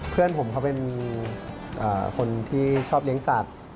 เพื่อนผมเขาเป็นคนที่ชอบเลี้ยงสัตว์